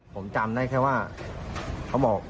ผมจำได้แค่ว่าเขาบอก